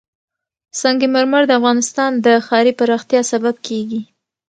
سنگ مرمر د افغانستان د ښاري پراختیا سبب کېږي.